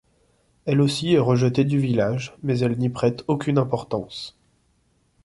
Elle aussi est rejetée du village, mais elle n’y prête aucune importance.